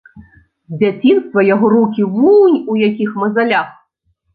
З дзяцінства яго рукі вунь у якіх мазалях.